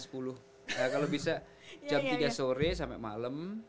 setengah sepuluh kalau bisa jam tiga sore sampe malem